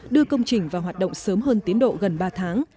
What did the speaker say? đưa công trình vào hoạt động sớm hơn tiến độ gần ba tháng